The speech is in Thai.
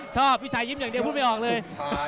พี่ชายยิ้มอย่างเดียวพูดไม่ออกเลย